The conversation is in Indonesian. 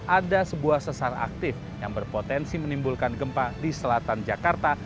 ada sebuah sesar aktif yang berpotensi menimbulkan gempa di selatan jakarta